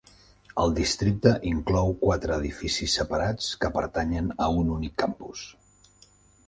El districte inclou quatre edificis separats que pertanyen a un únic campus.